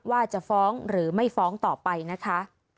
ว่าจะฟ้องหรือไม่ฟ้องต่อไปนะคะ